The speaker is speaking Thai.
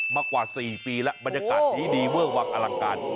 มากว่า๔ปีแล้วบรรยากาศนี้ดีเวอร์วังอลังการ